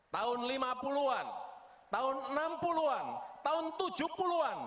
tahun lima puluh an tahun enam puluh an tahun tujuh puluh an